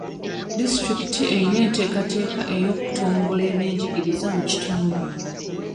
Disitulikiti erina enteekateeka ey'okutumbula ebyenjigiriza mu kitundu.